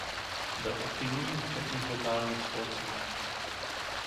Byl aktivní v četných lokálních spolcích.